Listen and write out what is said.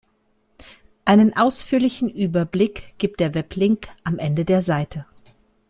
Einen ausführlichen Überblick gibt der Weblink am Ende der Seite.